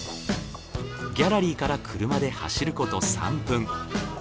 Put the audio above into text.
ギャラリーから車で走ること３分。